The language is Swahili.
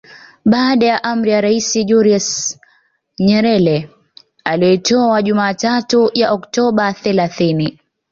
Baada ya amri ya Rais Julius Nyerere aliyoitoa Jumatatu ya Oktoba thelathini